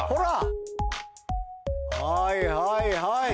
はいはいはい。